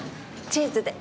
チーズで。